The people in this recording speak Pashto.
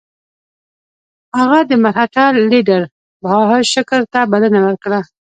هغه د مرهټه لیډر بهاشکر ته بلنه ورکړه.